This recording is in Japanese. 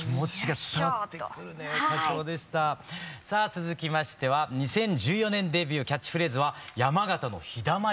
さあ続きましては２０１４年デビューキャッチフレーズは「山形のひだまり娘」。